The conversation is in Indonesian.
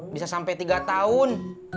bisa sampe tiga tahun